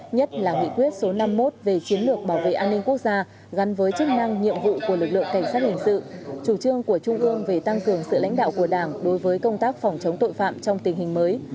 nhất là nghị quyết số năm mươi một về chiến lược bảo vệ an ninh quốc gia gắn với chức năng nhiệm vụ của lực lượng cảnh sát hình sự chủ trương của trung ương về tăng cường sự lãnh đạo của đảng đối với công tác phòng chống tội phạm trong tình hình mới